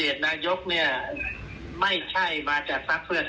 แคนดิดเดตนายกเนี่ยไม่ใช่มาจากภักดิ์เพื่อไทย